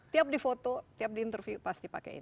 tiap di foto tiap di interview pasti pakai ini